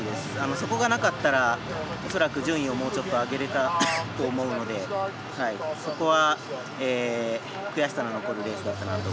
そこがなかったら恐らく順位をもうちょっと上げられたと思うのでそこは悔しさの残るレースだったかなと。